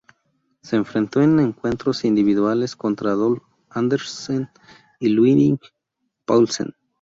Se enfrentó en encuentros individuales contra Adolf Anderssen y Ludwig Paulsen.